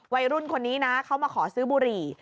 วัยรุ่นคนนี้นะเขามาขอซื้อบุหรี่